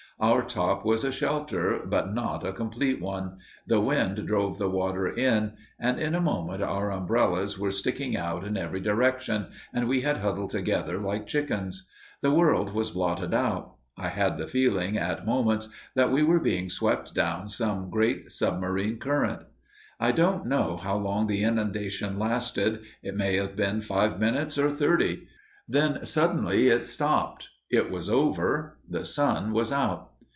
Our top was a shelter, but not a complete one the wind drove the water in, and in a moment our umbrellas were sticking out in every direction and we had huddled together like chickens. The world was blotted out. I had the feeling at moments that we were being swept down some great submarine current. I don't know how long the inundation lasted. It may have been five minutes or thirty. Then suddenly it stopped it was over the sun was out.